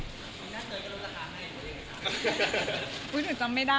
มีหน้าเตยกระดูกราคาไหมครับ